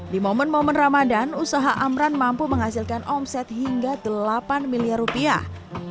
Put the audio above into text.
di momen momen ramadan usaha amran mampu menghasilkan omset hingga delapan miliar rupiah